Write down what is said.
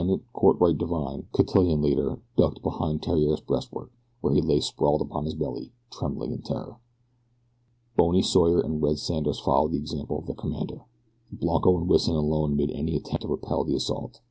Cortwrite Divine, cotillion leader, ducked behind Theriere's breastwork, where he lay sprawled upon his belly, trembling in terror. Bony Sawyer and Red Sanders followed the example of their commander. Blanco and Wison alone made any attempt to repel the assault.